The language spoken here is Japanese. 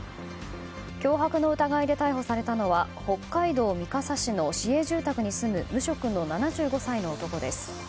脅迫の疑いで逮捕されたのは北海道三笠市の市営住宅に住む無職の７５歳の男です。